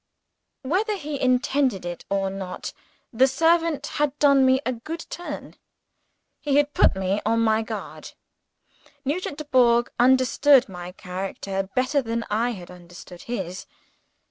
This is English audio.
Whether he intended it, or not, the servant had done me a good turn he had put me on my guard. Nugent Dubourg understood my character better than I had understood his.